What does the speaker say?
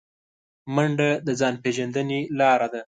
منډه د ځان پیژندنې لاره ده